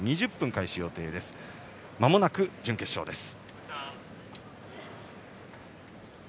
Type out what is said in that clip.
まもなく準決勝です。